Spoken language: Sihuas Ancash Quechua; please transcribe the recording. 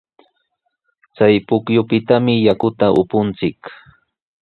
Chay pukyupitami yakuta upunchik.